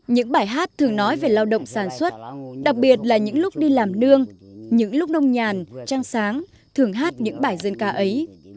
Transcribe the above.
những bài hát thường nói về lao động sản xuất đặc biệt là những lúc đi làm nương những lúc nông nhàn trăng sáng thường hát những bài dân ca ấy